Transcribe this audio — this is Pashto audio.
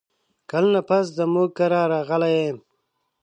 کلونه پس زموږ کره راغلې یې !